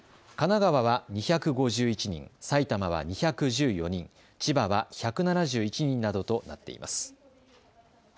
神奈川は２５１人、埼玉は２１４人、千葉は１７１人などとなっています。